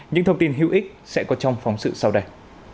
những thông tin hữu ích sẽ có trong phóng sự sau đây